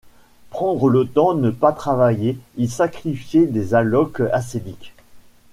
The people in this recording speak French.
Prendre le temps de ne pas travailler, y sacrifier des allocs assedic.